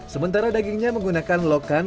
sementara dagingnya menggunakan lokan